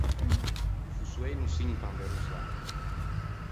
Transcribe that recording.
I fossoei no s’impan de rosâ.